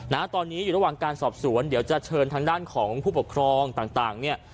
นะตอนนี้อยู่ระหว่างการสอบสวนเดี๋ยวจะเชิญทางด้านของผู้ปกครองต่างต่างเนี่ย